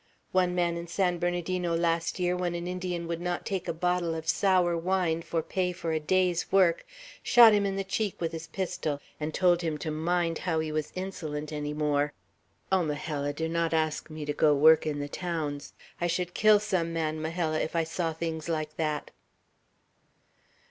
One man in San Bernardino last year, when an Indian would not take a bottle of sour wine for pay for a day's work, shot him in the cheek with his pistol, and told him to mind how he was insolent any more! Oh, Majella, do not ask me to go work in the towns! I should kill some man, Majella, if I saw things like that."